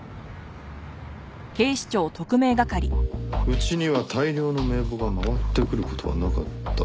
「うちには大量の名簿が回ってくることはなかった」